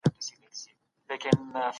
خپل ورېښتان په مناسب وخت کي ومینځئ.